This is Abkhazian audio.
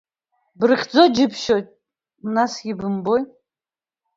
Брыхьӡо џьыбшьоит, насгьы бымбои…